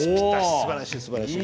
すばらしいすばらしい！